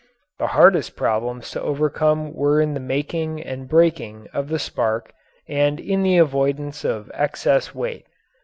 The hardest problems to overcome were in the making and breaking of the spark and in the avoidance of excess weight.